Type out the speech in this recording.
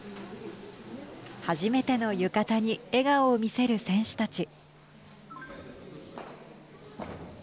初めての浴衣に笑顔を見せる選手たち。